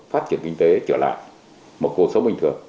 phát triển kinh tế trở lại một cuộc sống bình thường